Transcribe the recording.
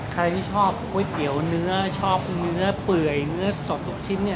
ใครที่ชอบก๋วยเตี๋ยวเนื้อชอบเนื้อเปื่อยเนื้อสดทุกชิ้น